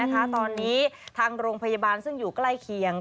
ตอนนี้ทางโรงพยาบาลซึ่งอยู่ใกล้เคียง